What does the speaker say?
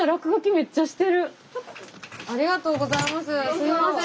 すいません。